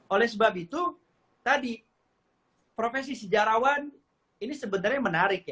oleh sebab itu tadi profesi sejarawan ini sebenarnya menarik